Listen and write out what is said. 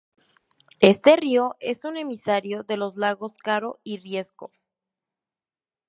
Este río es un emisario de los lagos Caro y Riesco.